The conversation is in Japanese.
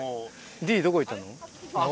Ｄどこ行ったの？